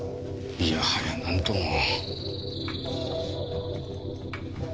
いやはやなんとも。